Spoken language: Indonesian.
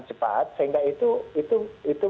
cepat sehingga itu